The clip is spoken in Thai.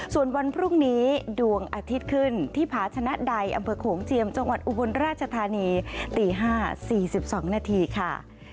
ส่วนวันพรุ่งนี้ดวงอาทิตย์ขึ้นที่ผาชนะใดอำเภอโขงเจียมจังหวัดอุบลราชธานีตี๕๔๒นาทีค่ะ